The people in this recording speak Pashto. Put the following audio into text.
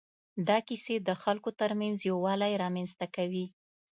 دا کیسې د خلکو تر منځ یووالی رامنځ ته کوي.